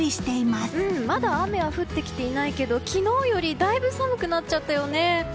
まだ雨は降ってきていないけど昨日よりだいぶ寒くなっちゃったよね。